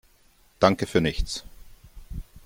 Danke für nichts!